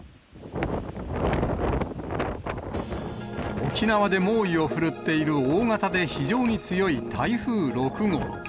沖縄で猛威を振るっている大型で非常に強い台風６号。